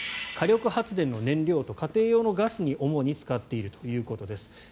火力発電の燃料と家庭用のガスに主に使っているということです。